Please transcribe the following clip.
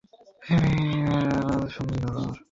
সন্দীপ বললে, যেটা ঘটা দরকার।